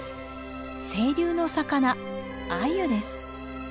清流の魚アユです。